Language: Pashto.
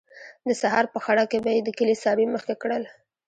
د سهار په خړه کې به یې د کلي څاروي مخکې کړل.